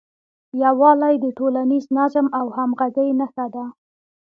یووالی د ټولنیز نظم او همغږۍ نښه ده.